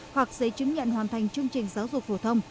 hoặc giấy chứng nhận hoàn thành chương trình giáo dục phổ thông